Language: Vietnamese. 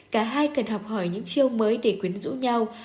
cả hai cần học hỏi những chiêu mới để quyến rũ nhau